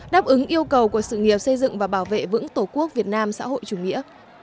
đáp ứng yêu cầu của sự nghiệp xây dựng và bảo vệ vững tổ quốc việt nam xã hội chủ nghĩa